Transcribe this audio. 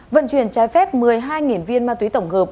vận chuyển trái phép một mươi hai viên ma túy tổng hợp